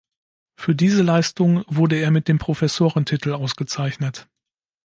Für diese Leistung wurde er mit dem Professorentitel ausgezeichnet.